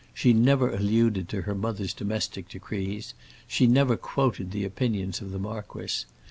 She never alluded to her mother's domestic decrees; she never quoted the opinions of the marquis.